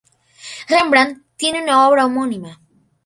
Rembrandt tiene una obra homónima.